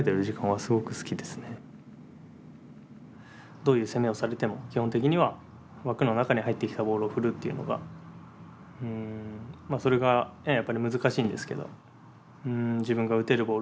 どういう攻めをされても基本的には枠の中に入ってきたボールを振るっていうのがそれがやっぱり難しいんですけど。